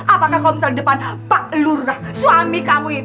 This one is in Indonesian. apakah kalau misalnya di depan pak lurah suami kamu itu